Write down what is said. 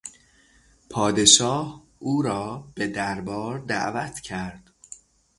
پادشاه او را به دربار دعوت کرد.